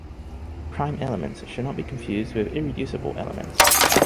Prime elements should not be confused with irreducible elements.